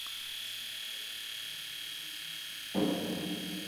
Jiní, například Španělsko, naopak pevně přislíbili, že to neudělají.